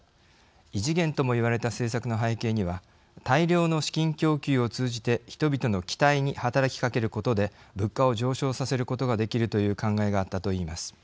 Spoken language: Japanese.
異次元ともいわれた政策の背景には大量の資金供給を通じて人々の期待に働きかけることで物価を上昇させることができる考えがあったといいます。